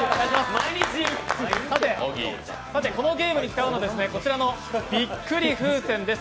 さて、このゲームに使うのは、こちらのびっくり風船です。